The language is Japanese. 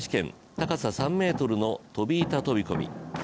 高さ３ｍの飛び板飛び込み。